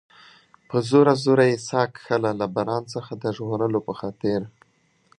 په زوره زوره یې ساه کښل، له باران څخه د ژغورلو په خاطر.